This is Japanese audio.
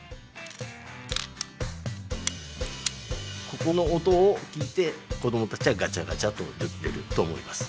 ここの音をきいてこどもたちはガチャガチャといってるとおもいます。